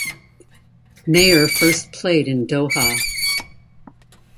Mayer first played in Doha.